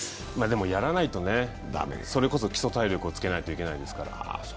でも、やらないとね、それこそ基礎体力をつけないといけないですから。